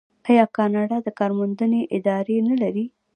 آیا کاناډا د کار موندنې ادارې نلري؟